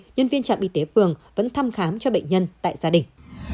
nhân viên trạm y tế phường vẫn thăm khám cho bệnh nhân tại gia đình